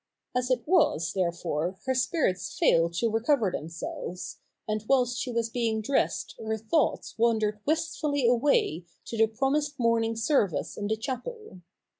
x Vs it was, therefore, her spirits failed to recover themselves, and whilst she was being dressed her thoughts wandered wistfully away to the promised morning service in the chapel.